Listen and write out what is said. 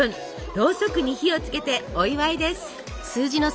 ろうそくに火をつけてお祝いです！